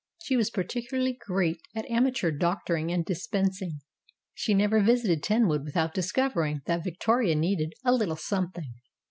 She was particularly great at amateur doctoring and dispensing. She never vis ited Tenwood without discovering that Victoria needed "a little something."